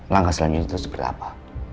langkah selanjutnya itu seperti apa